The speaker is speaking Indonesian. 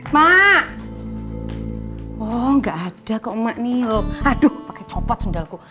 mak oh nggak ada kok maknil aduh pakai copot sendalku